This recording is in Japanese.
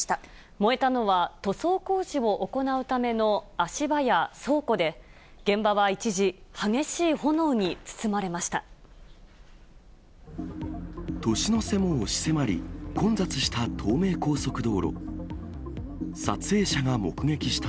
燃えたのは、塗装工事を行うための足場や倉庫で、現場は一時、激しい炎に包まれました。